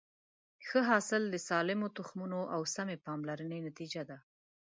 ښه حاصل د سالمو تخمونو او سمې پاملرنې نتیجه ده.